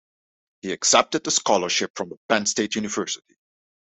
He accepted a scholarship from Penn State University.